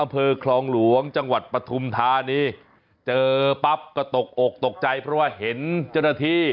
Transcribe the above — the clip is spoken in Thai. อำเภอคลองหลวงจังหวัดปฐุมธานีเจอปั๊บก็ตกอกตกใจเพราะว่าเห็นเจ้าหน้าที่